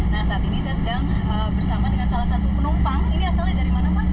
nah saat ini saya sedang bersama dengan salah satu penumpang ini asalnya dari mana pak